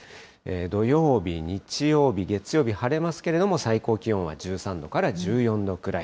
土曜日、日曜日、月曜日、晴れますけれども、最高気温は１３度から１４度くらい。